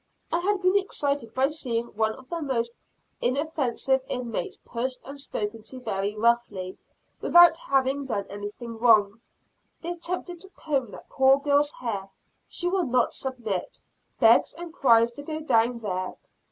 I had been excited by seeing one of the most inoffensive inmates pushed and spoken to very roughly, without having done any wrong. They attempted to comb that poor girl's hair; she will not submit, begs and cries to go down there.